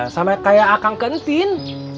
sama kayak akang ke tin